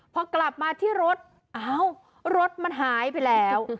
พอกลับมาที่รถอ้าวรถมันหายไปแล้ว